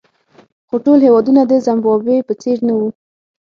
خو ټول هېوادونه د زیمبابوې په څېر نه وو.